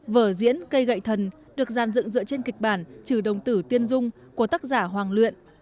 vở diễn cây gậy thần được dàn dựng dựa trên kịch bản trừ đồng tử tiên dung của tác giả hoàng luyện